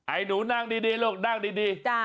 ไอ้หนูนั่งดีลูกนั่งดี